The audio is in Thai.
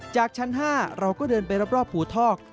จากชั้น๕เราก็เดินไปรอบภูทอก